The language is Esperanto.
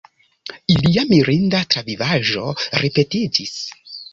Ilia mirinda travivaĵo ripetiĝis.